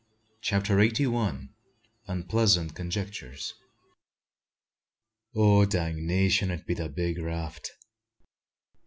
CHAPTER EIGHTY ONE. UNPLEASANT CONJECTURES. "Dangnation! it be the big raft."